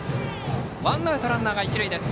ワンアウトランナー、一塁です。